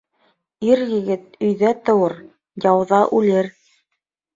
Ир-егет өйҙә тыуыр, яуҙа үлер.